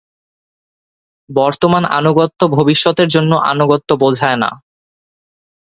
বর্তমান আনুগত্য ভবিষ্যতের জন্য আনুগত্য বোঝায় না।